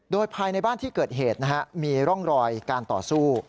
โดยภายในบ้านที่เกิดเหตุมีร่องรอยการต่อสู้